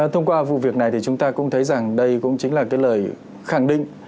thông qua vụ việc này thì chúng ta cũng thấy rằng đây cũng chính là cái lời khẳng định